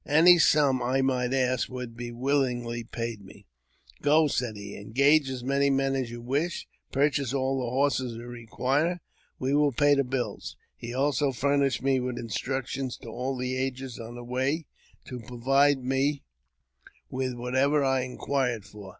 Any sum I might ask would be willingly paid me. " Go !" said he ;" engage as many men as you wish ; purchase all the horses you require : we will pay the bills." He also furnished me with instructions to all the agents on the w^ay to provide me with whatever I inquired for.